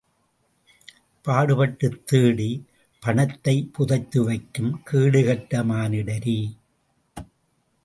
பாடுபட்டுத் தேடிப் பணத்தைப் புதைத்துவைக்கும் கேடுகெட்ட மானிடரே!